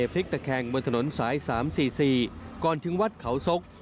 พลิกตะแคงบนถนนสาย๓๔๔ก่อนถึงวัดเขาซก